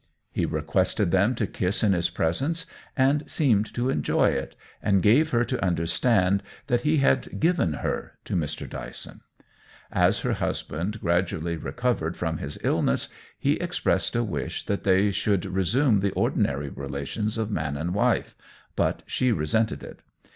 He requested them to kiss in his presence and seemed to enjoy it, and gave her to understand that he had "given her" to Mr. Dyson. As her husband gradually recovered from his illness he expressed a wish that they should resume the ordinary relations of man and wife, but she resented it.